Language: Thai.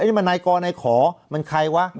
ไอ้นี่มันในกรในขอมันใครวะ